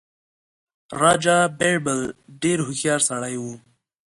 راجا بیربل ډېر هوښیار سړی وو.